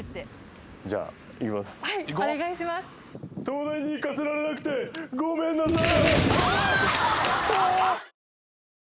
東大に行かせられなくてごめんなさい。